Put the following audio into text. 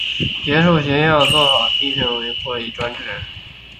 结束学校的做法被批评为过于专制。